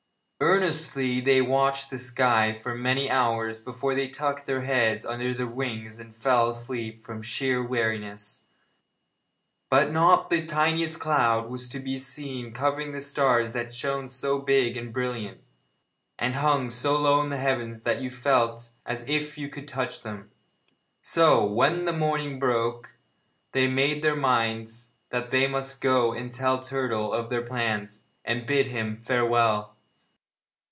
Earnestly they watched the sky for many hours before they tucked their heads under their wings and fell asleep from sheer weariness, but not the tiniest cloud was to be seen covering the stars that shone so big and brilliant, and hung so low in the heavens that you felt as if you could touch them. So, when the morning broke, they made up their minds that they must go and tell the turtle of their plans, and bid him farewell.